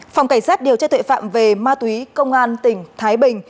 phòng cảnh sát điều tra tuệ phạm về ma túy công an tỉnh thái bình